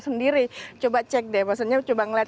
sendiri coba cek deh maksudnya coba ngelihat